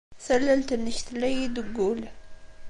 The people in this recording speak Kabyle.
Tallalt-nnek tella-iyi-d deg wul.